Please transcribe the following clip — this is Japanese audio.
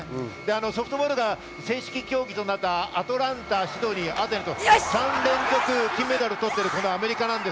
ソフトボールが正式競技となったアトランタ、シドニー、アテネと３連続で金メダルを取っているアメリカ。